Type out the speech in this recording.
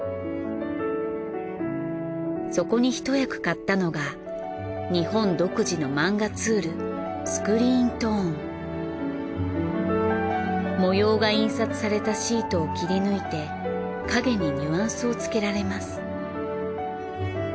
そこに一役買ったのが日本独自の漫画ツール模様が印刷されたシートを切り抜いて影にニュアンスをつけられます。